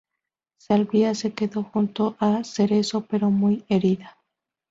Salvia se quedó junto a Cerezo pero muy herida.